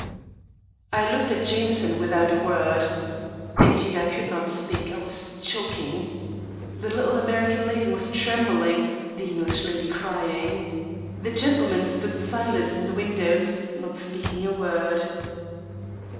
I looked at Jameson without a word. Indeed, I could not speak; I was choking. The little American lady was trembling, the English lady crying. The gentlemen stood silent in the windows, not speaking a word.